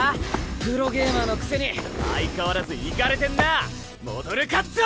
プロゲーマーのくせに相変わらずイカれてんなモドルカッツォ！